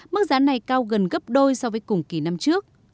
mức giá này cao gần gấp đôi so với cùng kỳ năm trước